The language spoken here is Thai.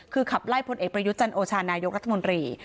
คือขับไล่พลเอกประยุทธ์จันโอชานายกรัฐมนตรี